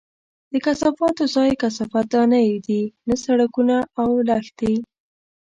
د کثافاتو ځای کثافت دانۍ دي، نه سړکونه او لښتي!